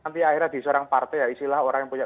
nanti akhirnya di seorang partai ya istilah orang yang punya